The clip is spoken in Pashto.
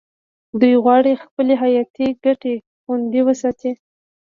دوی غواړي خپلې حیاتي ګټې خوندي وساتي